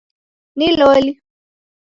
Ni loli ?